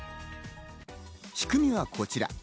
仕組みはこちら。